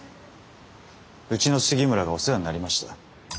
うちの杉村がお世話になりました。